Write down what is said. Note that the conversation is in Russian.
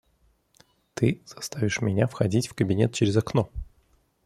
Ты заставишь меня входить в кабинет через окно.